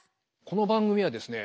この番組はですね